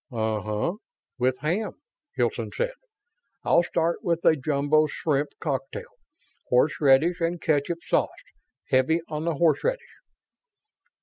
"Uh huh, with ham," Hilton said. "I'll start with a jumbo shrimp cocktail. Horseradish and ketchup sauce; heavy on the horseradish."